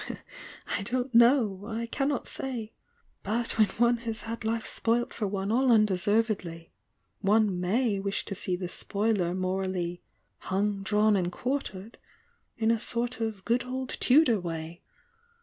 "I don't know ! I cannot say ! But when one has had life spoilt for one all undeservedly, one may wish to see the spoiler morally 'hung, drawn and quartered' in a sort of good old 'Tudor way